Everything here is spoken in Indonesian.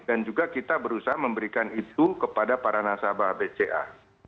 dan juga kita berusaha memberikan itu kepada para nasabah bca